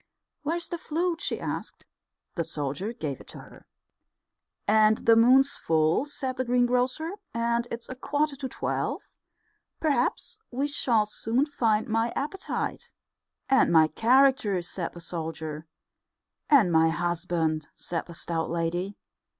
"Where's the flute?" she asked. The soldier gave it to her. "And the moon's full," said the greengrocer, "and it's a quarter to twelve. Perhaps we shall soon find my appetite." "And my character," said the soldier. "And my husband," said the stout lady.